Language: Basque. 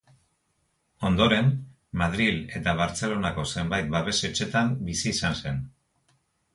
Ondoren, Madril eta Bartzelonako zenbait babes-etxetan bizi izan zen.